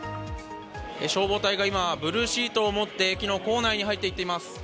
消防隊が今、ブルーシートを持って、駅の構内に入っていきます。